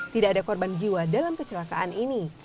tidak ada korban jiwa dalam kecelakaan ini